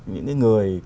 những cái người